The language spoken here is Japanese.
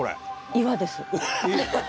岩です。